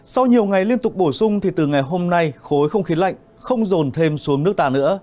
sau nhiều ngày liên tục bổ sung thì từ ngày hôm nay khối không khí lạnh không rồn thêm xuống nước ta nữa